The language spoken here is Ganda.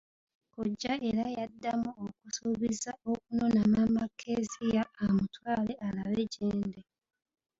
Kkojja era yaddamu okusuubiza okunona maama Kezia amutwale alabe gyendi.